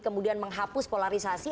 kemudian menghapus polarisasi